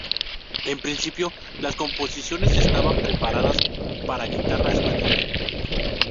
En principio, las composiciones estaban preparadas para guitarra española.